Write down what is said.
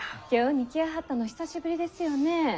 京に来やはったの久しぶりですよねえ。